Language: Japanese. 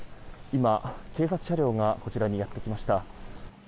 今、警察車両がこちらにやってきました。